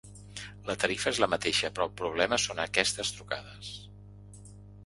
La tarifa és la mateixa però el problema són aquestes trucades.